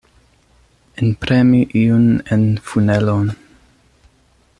Enpremi iun en funelon.